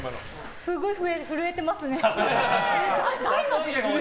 すごい震えてますね。